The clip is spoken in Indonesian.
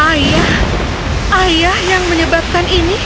ayah ayah yang menyebabkan ini